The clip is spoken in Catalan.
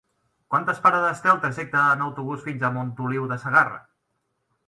Quantes parades té el trajecte en autobús fins a Montoliu de Segarra?